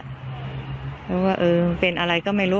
แล้วว่าเออเป็นอะไรก็ไม่รู้